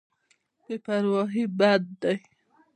بې پرواهي بد دی.